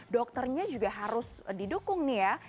dokternya juga harus didukung nih ya